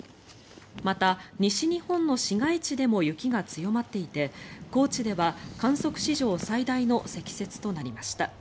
また、西日本の市街地でも雪が強まっていて高知では観測史上最大の積雪となりました。